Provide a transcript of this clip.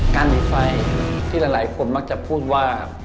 หนีไฟที่หลายคนมักจะพูดว่า